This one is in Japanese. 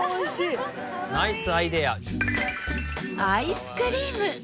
アイスクリーム！